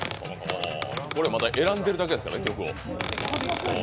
これまだ曲を選んでるだけですからね。